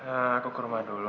aku ke rumah dulu